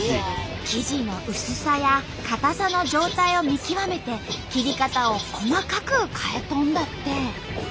生地の薄さや硬さの状態を見極めて切り方を細かく変えとんだって。